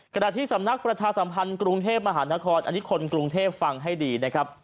ขณะที่สำนักประชาสัมพันธ์กรุงเทพมหานครอันนี้คนกรุงเทพฟังให้ดีนะครับ